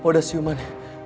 papa udah siuman